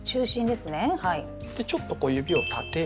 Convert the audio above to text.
でちょっとこう指を立てる。